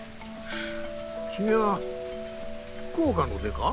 君は福岡の出か？